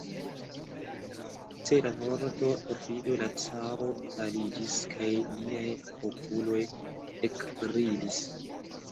Ĉe la vorto "perfido" la caro paliĝis, kaj liaj okuloj ekbrilis.